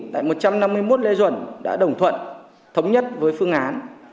tại một trăm năm mươi một lê duẩn đã đồng thuận thống nhất với phương án